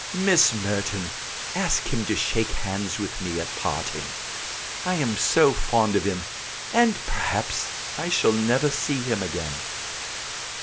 Miss Merton, ask him to shake hands with me at parting. I am so fond of him, and perhaps I shall never see him again.